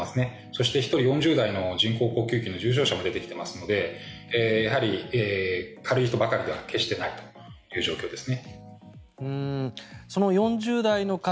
そして、１人４０代の人工呼吸器の重症者も出てきていますのでやはり軽い人ばかりでは決してないという状況ですね。